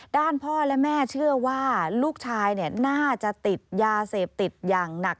ด้านพ่อและแม่เชื่อว่าลูกชายน่าจะติดยาเสพติดอย่างหนัก